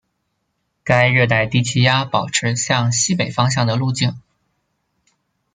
该热带低气压保持向西北方向的路径。